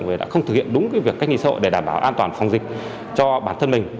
vì đã không thực hiện đúng việc cách ly xã hội để đảm bảo an toàn phòng dịch cho bản thân mình